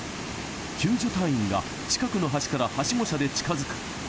救助隊員が近くの橋からはしご車で近づく。